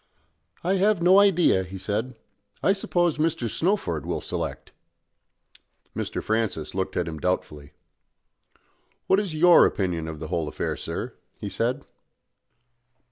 "I have no idea," he said. "I suppose Mr. Snowford will select." Mr. Francis looked at him doubtfully. "What is your opinion of the whole affair, sir?" he said.